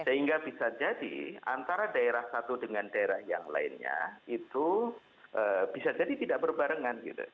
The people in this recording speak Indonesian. sehingga bisa jadi antara daerah satu dengan daerah yang lainnya itu bisa jadi tidak berbarengan gitu